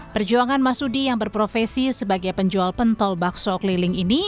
perjuangan masudi yang berprofesi sebagai penjual pentol bakso keliling ini